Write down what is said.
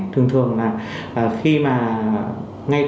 thường thường là khi mà